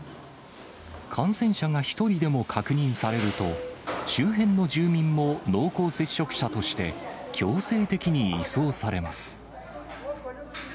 感染者が一人でも確認されると、周辺の住民も濃厚接触者として、強制的に移送されます。